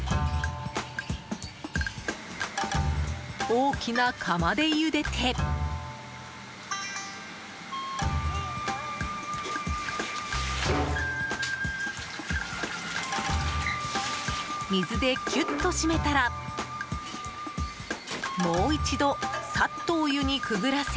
大きな釜でゆでて水でキュッと締めたらもう一度さっとお湯にくぐらせ